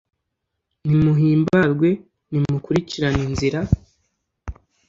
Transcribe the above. nimuhimbarwe, nimukurikirane inzira